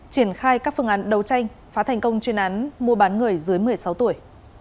triển khai các phương án đấu tranh phá thành công chuyên án mua bán người dưới một mươi sáu tuổi